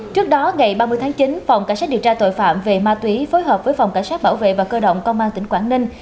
trước đó ngày ba mươi tháng chín phòng cảnh sát điều tra tội phạm về ma túy phối hợp với phòng cảnh sát bảo vệ và cơ động công an tỉnh quảng ninh